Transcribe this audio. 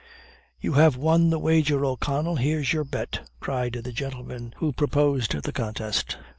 "You have won the wager, O'Connell here's your bet," cried the gentleman who proposed the contest.